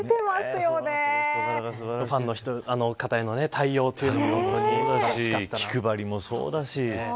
ファンの方への対応というのも気配りもそうだし。